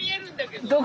どこ？